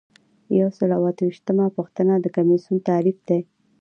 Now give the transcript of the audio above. یو سل او اته ویشتمه پوښتنه د کمیسیون تعریف دی.